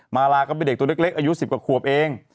มาลาก็เป็นเด็กตัวเล็กอายุ๑๐กว่าขวบเอง